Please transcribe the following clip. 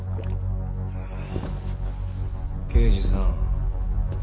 刑事さん